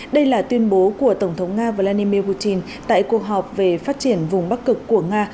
đây là tuyên bố của tổng thống nga vladimir putin tại cuộc họp về phát triển vùng bắc cực của nga